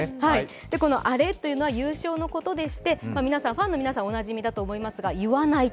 この「アレ」というのは優勝のことでしてファンの皆さんおなじみだと思いますが、言わないと。